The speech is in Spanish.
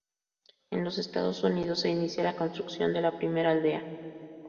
En los Estados Unidos se inicia la construcción de la primera Aldea.